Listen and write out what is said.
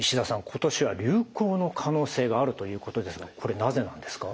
今年は流行の可能性があるということですがこれなぜなんですか？